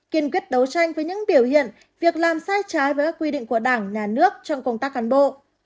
kiên quyết đấu tranh với những biểu hiện việc làm sai trái với các quy định của đảng nhà nước trong công tác cán bộ